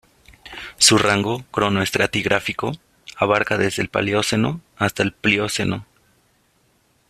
Su rango cronoestratigráfico abarca desde el Paleoceno hasta el Plioceno.